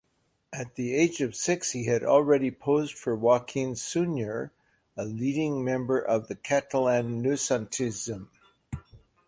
At the age of six he had already posed for Joaquim Sunyer, a leading member of the Catalan Noucentisme.